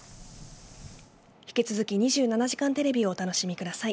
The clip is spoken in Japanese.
引き続き２７時間テレビをお楽しみください。